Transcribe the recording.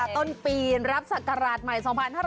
ต้นปีรับสัตราดใหม่๒๕๖๖ค่ะ